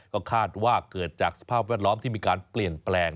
ก็คาดว่าเกิดจากสภาพแวดล้อมที่มีการเปลี่ยนแปลง